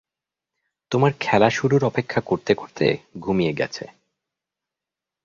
তোমার খেলা শুরুর অপেক্ষা করতে করতে ঘুমিয়ে গেছে।